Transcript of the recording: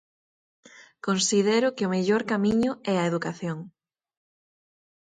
Considero que o mellor camiño é a educación.